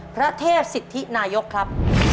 พระเทพสิทธินายกครับ